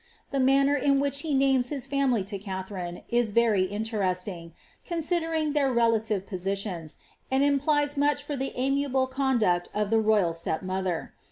The manner in which he names his fiimily to Katharine, is very interesting, considering their relative positions, ind implies much for the amiable conduct of the royal step mother.